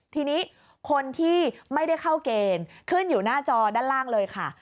ทีนี้คนที่ไม่ได้เข้าเกณฑ์ขึ้นอยู่หน้าจอด้านล่างเลยค่ะ